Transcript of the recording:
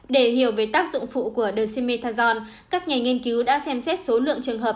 để hiểu về tác dụng phụ của dexamethasone các nhà nghiên cứu đã xem xét số lượng trường hợp